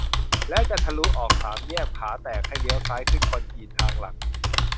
และจะทะลุออกสามแยกผาแตกให้เลี้ยวซ้ายขึ้นคอนกรีตทางหลัก